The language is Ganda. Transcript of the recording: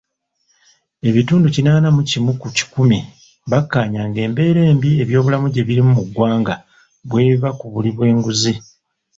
Ebitundu kinaana mu kimu ku kikumi bakkaanya ng'embeera embi ebyobulamu gye birimu muggwanga, bw'eva kubuli bw'enguzi.